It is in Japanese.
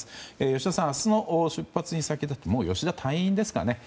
吉田さん、明日の出発に先立ってもう吉田隊員ですかね。